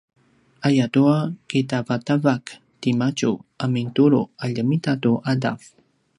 ayatua kitavatavak timadju a mintulu’ a ljemita tu ’adav